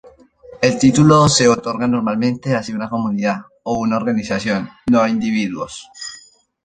El título se otorga normalmente hacia una comunidad o una organización, no a individuos.